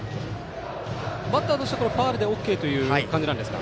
バッターとしてはファウルでＯＫという感じですか。